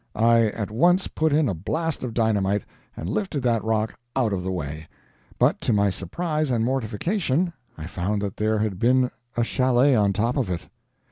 I at once put in a blast of dynamite, and lifted that rock out of the way. But to my surprise and mortification, I found that there had been a chalet on top of it.